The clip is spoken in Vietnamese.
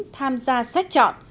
tham gia xét chọn